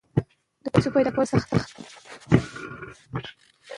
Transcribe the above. آیا مادي ژبه په پوهه ترلاسه کولو کې رښتینې اسانتیا راولي؟